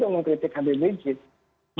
mengkritik habib rizieq